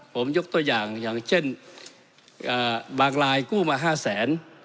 ผมยกตัวอย่างอย่างเช่นบางรายกู้มา๕แสน